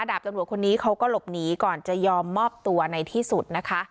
ดาบตำรวจคนนี้เขาก็หลบหนีก่อนจะยอมมอบตัวในที่สุดนะคะ